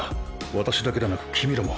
私だけではなく君らも。